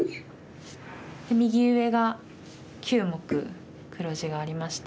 右上が９目黒地がありまして。